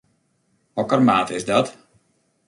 Hokker maat is dat?